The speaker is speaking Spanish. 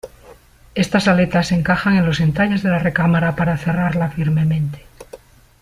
Estas aletas se encajan en los entalles de la recámara para cerrarla firmemente.